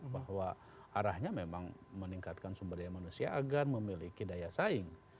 bahwa arahnya memang meningkatkan sumber daya manusia agar memiliki daya saing